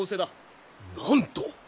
なんと！